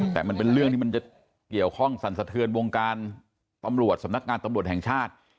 แต่มันเป็นเรื่องที่มันจะเกี่ยวข้องสั่นสะเทือนวงการตำรวจสำนักงานตำรวจแห่งชาติ